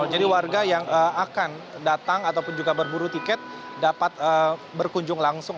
jadi warga yang akan datang ataupun juga berburu tiket dapat berkunjung langsung